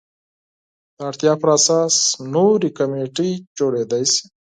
د اړتیا پر اساس نورې کمیټې جوړېدای شي.